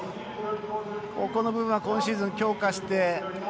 この部分、今シーズン強化して。